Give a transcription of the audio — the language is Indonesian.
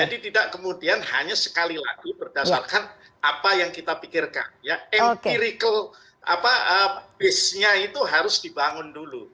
jadi tidak kemudian hanya sekali lagi berdasarkan apa yang kita pikirkan ya empirik apa basisnya itu harus dibangun dulu